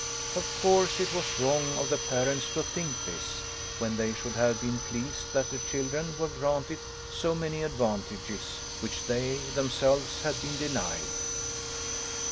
Of course it was wrong of the parents to think this, when they should have been pleased that the children were granted so many advantages which they themselves had been denied.